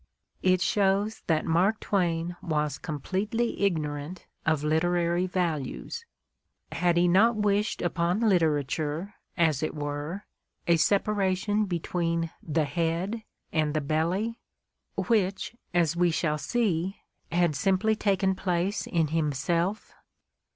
It shows that Mark Twain was completely ignorant of literary values: had he not wished upon literature, as it were, a separation between the "Head" and the "Belly" which, as we shall see, had simply taken place in himself?